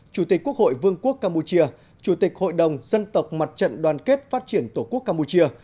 chủ tịch quốc hội vương quốc campuchia chủ tịch hội đồng dân tộc mặt trận đoàn kết phát triển tổ quốc campuchia